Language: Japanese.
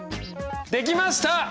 できました！